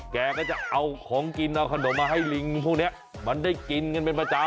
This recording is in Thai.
แกก็จะเอาของกินเอาขนมมาให้ลิงพวกนี้มันได้กินกันเป็นประจำ